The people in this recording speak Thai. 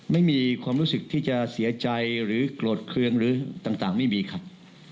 ไม่มีความรู้สึกที่จะเสียใจหรือโกรธเครื่องหรือต่างไม่มีครับ